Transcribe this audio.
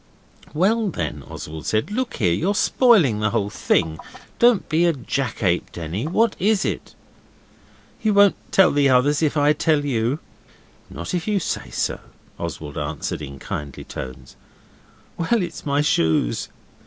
'Well, then,' Oswald said, 'look here, you're spoiling the whole thing. Don't be a jackape, Denny. What is it?' 'You won't tell the others if I tell you?' 'Not if you say not,' Oswald answered in kindly tones. 'Well, it's my shoes.